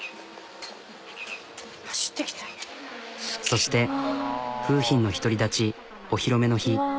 そして楓浜の独り立ちお披露目の日。